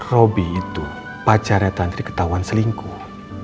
roby itu pacarnya tantri ketahuan selingkuh